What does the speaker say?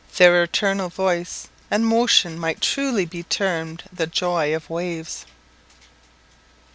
Their eternal voice and motion might truly be termed the "joy of waves."